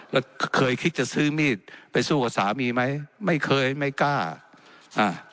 แล้วเคยคิดจะซื้อมีดไปสู้กับสามีไหมไม่เคยไม่กล้าอ่า